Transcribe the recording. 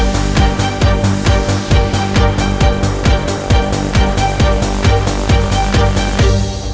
โปรดติดตามตอนต่อไป